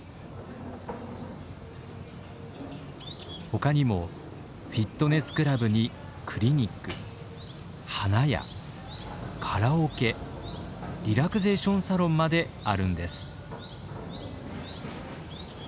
他にもフィットネスクラブにクリニック花屋カラオケリラクゼーションサロンまであるんです。